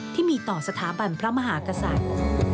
ที่มีต่อสถาบันพระมหากษัตริย์